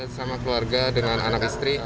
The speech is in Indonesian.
sama keluarga dengan anak istri